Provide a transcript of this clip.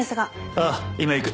ああ今行く。